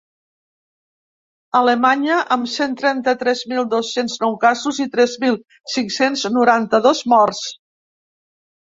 Alemanya, amb cent trenta-tres mil dos-cents nou casos i tres mil cinc-cents noranta-dos morts.